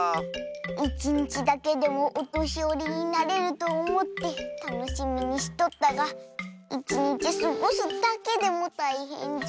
いちにちだけでもおとしよりになれるとおもってたのしみにしとったがいちにちすごすだけでもたいへんじゃ。